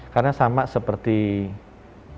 karena sama seperti waktu itu